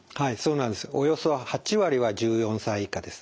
およそ８割は１４歳以下です。